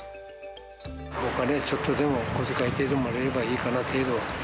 お金、ちょっとでも小遣い程度もらえればいいかな。